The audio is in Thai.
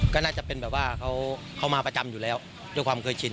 ก็น่าจะเป็นแบบว่าเขามาประจำอยู่แล้วด้วยความเคยชิน